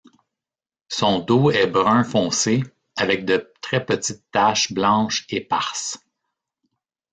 Son dos est brun foncé avec de très petites taches blanches éparses.